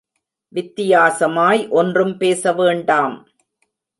வித்தியாசமாய் ஒன்றும் பேச வேண்டாம்.